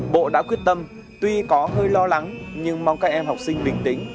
bộ đã quyết tâm tuy có hơi lo lắng nhưng mong các em học sinh bình tĩnh